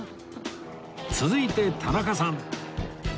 続いて田中さん